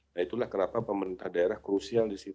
nah itulah kenapa pemerintah daerah krusial di situ